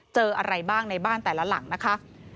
เจออะไรบ้างในบ้านแต่ละหลังนะคะ